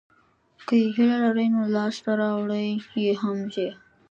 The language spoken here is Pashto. که یې هیله لرئ نو لاسته راوړلای یې هم شئ.